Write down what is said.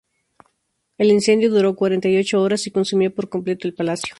El incendio duró cuarenta y ocho horas y consumió por completo el palacio.